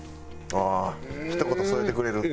ああひと言添えてくれる。